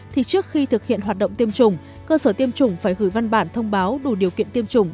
thì trước khi thực hiện hoạt động tiêm chủng cơ sở tiêm chủng phải gửi văn bản thông báo đủ điều kiện tiêm chủng